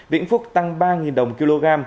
vĩnh phúc tăng ba đồng một kg